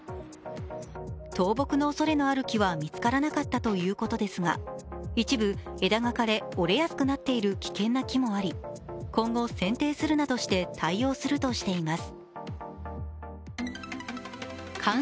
倒木のおそれのある木は見つからなかったということですが、一部、枝が枯れ、折れやすくなっている危険な木もあり、今後、せんていするなどして対応するとしています。